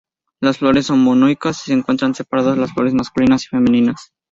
Las flores son monoicas, se encuentran separadas las flores masculinas y femeninas.